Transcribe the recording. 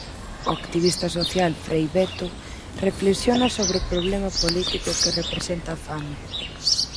O activista social Frei Betto reflexiona sobre o problema político que representa a fame.